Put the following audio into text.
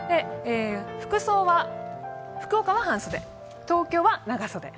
服装は福岡は半袖、東京は長袖。